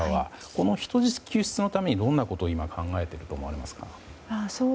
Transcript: この人質救出のために今、どんなことが考えられていると思いますか。